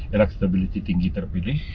elektribili tinggi terpilih